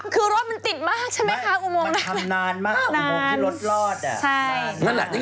คือรถมันติดมากใช่มั้ยคะ